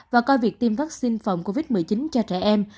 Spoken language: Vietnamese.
và coi việc tiêm vaccine phòng covid một mươi chín cho trẻ em